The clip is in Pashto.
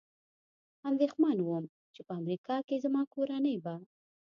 اندېښمن ووم، چې په امریکا کې زما کورنۍ به.